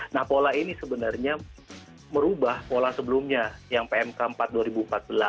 nah pola ini sebenarnya merubah pola sebelumnya yang pmk empat dua ribu empat belas